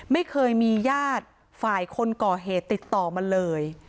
ไม่เคยมีญาติฝ่ายคนก่อเหตุติดต่อมาเลย